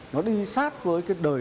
nó đi sát với cái đời